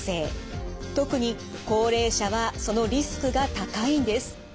特に高齢者はそのリスクが高いんです。